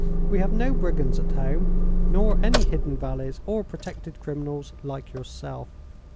We have no brigands at home, nor any hidden valleys or protected criminals like yourself.